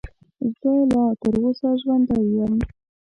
زه لا تر اوسه ژوندی یم .